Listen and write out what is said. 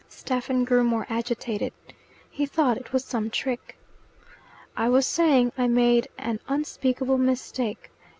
Stephen grew more agitated. He thought it was some trick. "I was saying I made an unspeakable mistake.